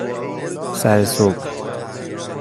سر صبح